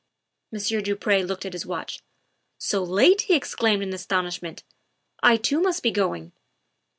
Monsieur du Pre looked at his watch. " So late!" he exclaimed in astonishment. " I too must be going."